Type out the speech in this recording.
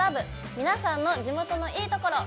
皆さんの地元のいいところ。